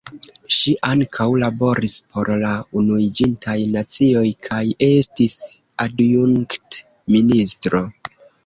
Ŝi ankaŭ laboris por la Unuiĝintaj Nacioj kaj estis adjunkt-ministro.